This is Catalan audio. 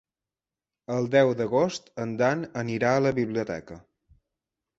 El deu d'agost en Dan anirà a la biblioteca.